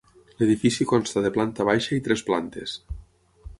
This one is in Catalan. L'edifici consta de planta baixa i tres plantes.